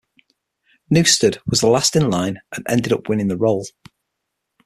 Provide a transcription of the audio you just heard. Newsted was the last in line and ended up winning the role.